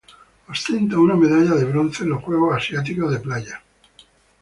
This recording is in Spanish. Ostenta una medalla de bronce en los Juegos Asiáticos de Playa.